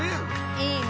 いいね。